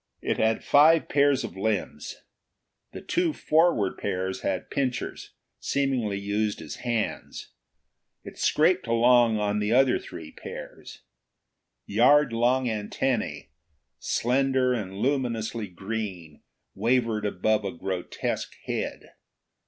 It had five pairs of limbs. The two forward pairs had pinchers, seemingly used as hands; it scraped along on the other three pairs. Yard long antennae, slender and luminously green, wavered above a grotesque head.